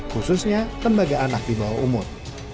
khususnya lembaga anak di bawah umur